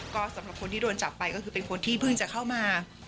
ก็สำหรับคนที่โดนจับไปก็คือเป็นคนที่เพิ่งจะเข้ามา